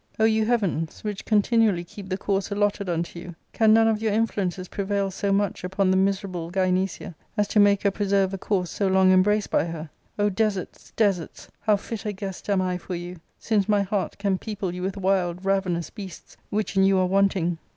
O you heavens, which con tinually keep the course allotted unto you, can none of your influences prevail so much upon the miserable Gynecia as to make her preserve a course so long embraced by her ? O deserts, deserts, how fit a guest am I for you, since my heart can people you with wild ravenous beasts, which in you are wanting?